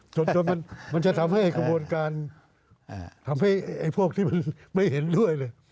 จนมันจะทำให้กระบวนการทำให้ไอ้พวกที่มันไม่เห็นด้วยเลย